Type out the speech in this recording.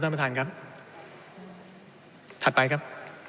ท่านประธานครับถัดไปครับ